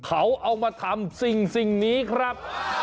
เขาเอามาทำสิ่งนี้ครับ